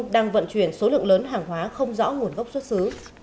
đang vận chuyển số lượng lớn hàng hóa không rõ nguồn gốc xuất xứ